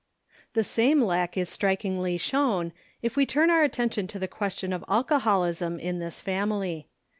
The same lack is strikingly shown, if we turn our attention to the question of alcoholism in this family.